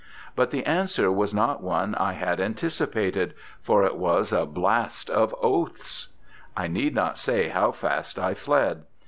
But the answer was not one I had anticipated, for it was a blast of oaths. I need not say how fast I fled.